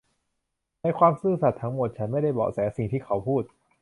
ในความซื่อสัตย์ทั้งหมดฉันไม่ได้เบาะแสสิ่งที่เขาพูด